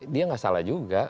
dia gak salah juga